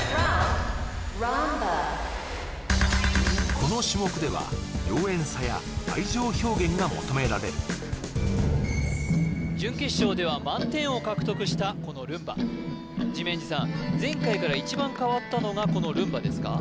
この種目では妖艶さや愛情表現が求められる準決勝では満点を獲得したこのルンバ治面地さん前回から一番変わったのがこのルンバですか？